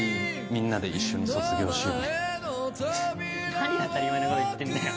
何当たり前のこと言ってんだよ。